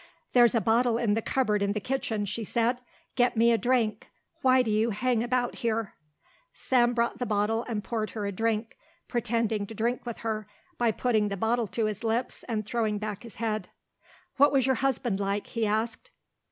"There's a bottle in the cupboard in the kitchen," she said. "Get me a drink. Why do you hang about here?" Sam brought the bottle and poured her a drink, pretending to drink with her by putting the bottle to his lips and throwing back his head. "What was your husband like?" he asked.